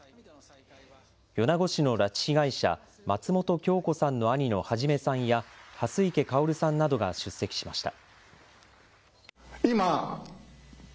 米子市の拉致被害者、松本京子さんの兄の孟さんや、蓮池薫さんなどが出席しました。